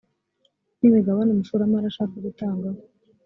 ni imigabane umushoramari ashaka gutangaho